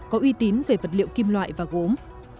có uy tín về vật liệu kim loại và gốm